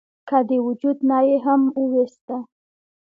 کۀ د وجود نه ئې هم اوويستۀ ؟